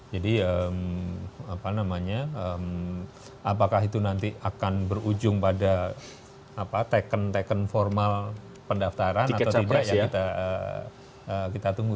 jadi apakah itu nanti akan berujung pada tekan teken formal pendaftaran atau tidak ya kita tunggu